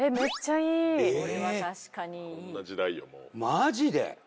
マジで！？